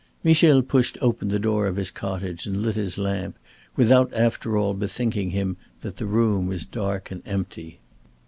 Michel pushed open the door of his cottage, and lit his lamp, without after all bethinking him that the room was dark and empty.